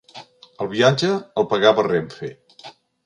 El viatge el pagava Renfe.